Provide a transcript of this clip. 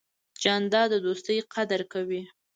جانداد د دوستۍ قدر کوي.